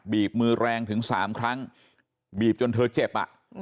บีบมือแรงถึง๓ครั้งบีบจนเธอเจ็บอ่ะ